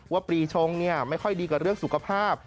ปีชงไม่ค่อยดีกับเรื่องสุขภาพ